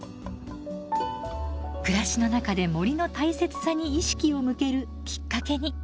暮らしの中で森の大切さに意識を向けるきっかけに。